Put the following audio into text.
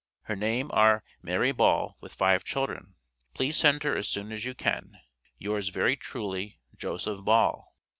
Her name are May Ball with five children. Please send her as soon as you can. Yours very truly, JOSEPH BALL.